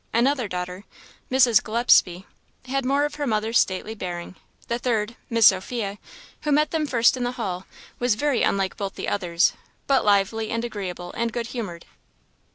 Another daughter, Mrs. Gillespie, had more of her mother's stately bearing; the third, Miss Sophia, who met them first in the hall, was very unlike both the others, but lively and agreeable and good humoured.